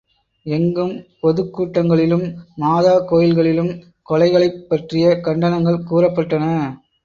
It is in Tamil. எங்கும் பொதுக் கூட்டங்களிலும், மாதா கோயில்களிலும் கொலைகளைப் பற்றிய கண்டனங்கள் கூறப்பட்டன.